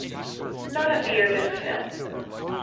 None appeared in the film.